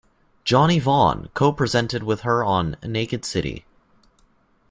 Johnny Vaughan co-presented with her on "Naked City".